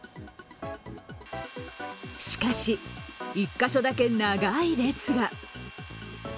しかし、１カ所だけ長い列が。